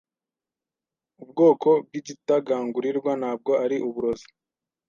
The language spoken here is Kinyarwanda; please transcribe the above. Ubwoko bwigitagangurirwa ntabwo ari uburozi.